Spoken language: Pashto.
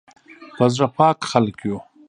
په زړه پاک خلک یو